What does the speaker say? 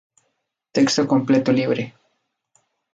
Texto completo libre.